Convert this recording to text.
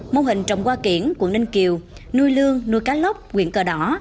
mô hình trồng qua kiển quận ninh kiều nuôi lương nuôi cá lốc quyện cờ đỏ